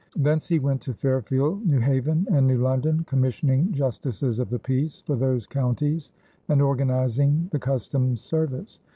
Thence he went to Fairfield, New Haven, and New London, commissioning justices of the peace for those counties and organizing the customs service.